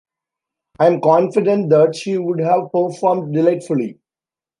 I am confident that she would have performed delightfully.